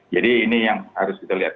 jadi ini yang harus kita lihat